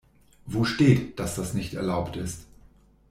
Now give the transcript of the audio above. Wo steht, dass das nicht erlaubt ist?